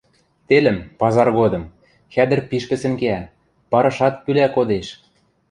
Телӹм, пазар годым, хӓдӹр пиш пӹсӹн кеӓ, парышат пӱлӓ кодеш.